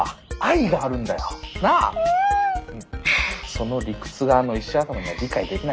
その理屈があの石頭には理解できなくてさ。